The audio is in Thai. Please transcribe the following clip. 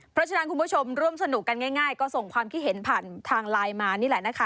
เพราะฉะนั้นคุณผู้ชมร่วมสนุกกันง่ายก็ส่งความคิดเห็นผ่านทางไลน์มานี่แหละนะคะ